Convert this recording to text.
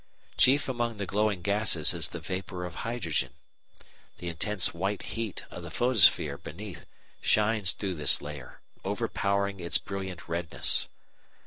Chief among the glowing gases is the vapour of hydrogen. The intense white heat of the photosphere beneath shines through this layer, overpowering its brilliant redness.